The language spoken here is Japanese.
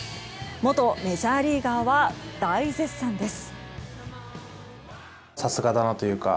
元メジャーリーガーは大絶賛です。